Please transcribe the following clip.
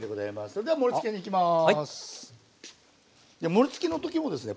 盛りつけの時もですね